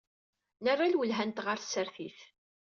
Nerra lwelha-nteɣ ɣer tsertit.